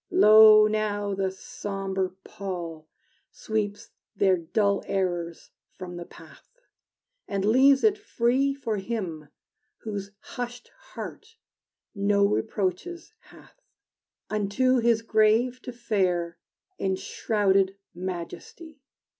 Lo, now, the sombre pall Sweeps their dull errors from the path, And leaves it free For him, whose hushed heart no reproaches hath, Unto his grave to fare, In shrouded majesty!